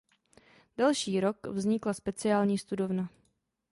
Další rok vznikla speciální studovna.